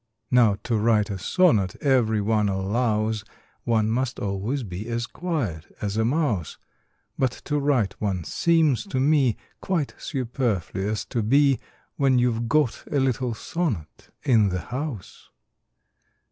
Now, to write a sonnet, every one allows, One must always be as quiet as a mouse; But to write one seems to me Quite superfluous to be, When you 've got a little sonnet in the house.